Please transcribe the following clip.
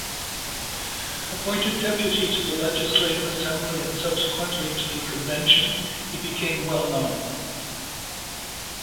Appointed deputy to the Legislative Assembly and subsequently to the Convention, he became well-known.